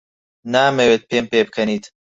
نامەوێت پێم پێبکەنیت.